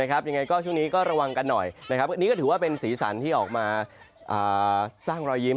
ยังไงก็ช่วงนี้ก็ระวังกันหน่อยอันนี้ก็ถือว่าเป็นสีสันที่ออกมาสร้างรอยยิ้ม